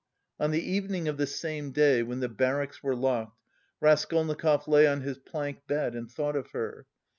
On the evening of the same day, when the barracks were locked, Raskolnikov lay on his plank bed and thought of her.